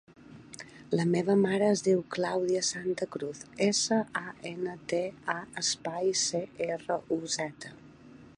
La meva mare es diu Clàudia Santa Cruz: essa, a, ena, te, a, espai, ce, erra, u, zeta.